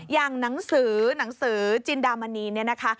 อย่างหนังสือหนังสือจินดามณีเนี่ยนะคะ